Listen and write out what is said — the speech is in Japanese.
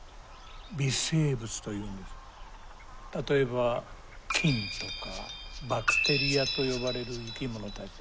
例えば菌とかバクテリアと呼ばれる生き物たちですね。